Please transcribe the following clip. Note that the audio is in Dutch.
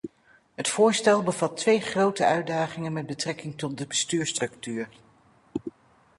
Het voorstel bevat twee grote uitdagingen met betrekking tot de bestuursstructuur.